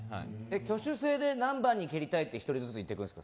挙手制で何番に蹴りたいって１人ずつ言っていくんですか。